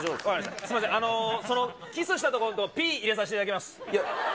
すみません、そのキスしたところ、ピー、入れさせていただきます。